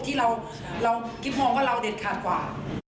ที่เรากิ๊บมองว่าเราเด็ดขาดกว่า